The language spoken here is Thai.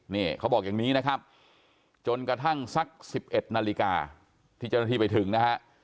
นี่เขาบอกอย่างนี้นะครับจนกระทั่งสัก๑๑นาฬิกาที่เจ้าหน้าที่ไปถึงนะฮะ